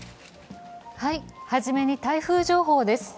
初めに台風情報です。